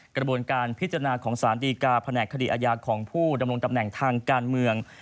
กระบวนการพิจารณาของสารดีกาแผนกคดีอาญาของผู้ดำรงตำแหน่งทางการเมือง